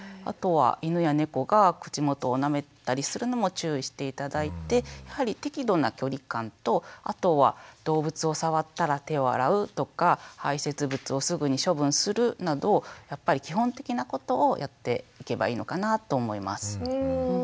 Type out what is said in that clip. あとは犬や猫が口元をなめたりするのも注意して頂いてやはり適度な距離感とあとは動物を触ったら手を洗うとか排せつ物をすぐに処分するなどやっぱり基本的なことをやっていけばいいのかなと思います。